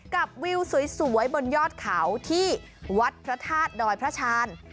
วิวสวยบนยอดเขาที่วัดพระธาตุดอยพระชาญ